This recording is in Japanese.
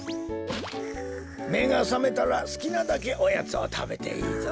めがさめたらすきなだけおやつをたべていいぞ。